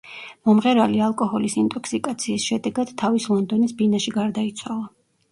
მომღერალი ალკოჰოლის ინტოქსიკაციის შედეგად თავის ლონდონის ბინაში გარდაიცვალა.